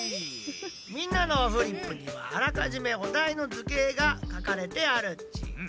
みんなのフリップにはあらかじめおだいの図形がかかれてあるっち。